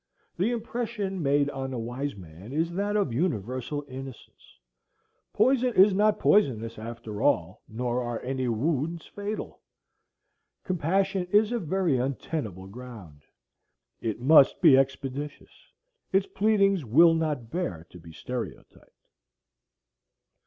The impression made on a wise man is that of universal innocence. Poison is not poisonous after all, nor are any wounds fatal. Compassion is a very untenable ground. It must be expeditious. Its pleadings will not bear to be stereotyped.